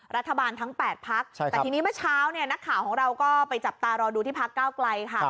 รัฐบาลทั้ง๘พักแต่ทีนี้เมื่อเช้าเนี่ยนักข่าวของเราก็ไปจับตารอดูที่พักก้าวไกลค่ะ